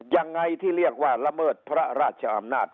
ยังไงที่เรียกว่าละเมิดพระราชอำนาจ